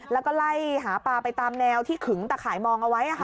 แล้วก็ไล่หาปลาไปตามแนวที่ขึงตะข่ายมองเอาไว้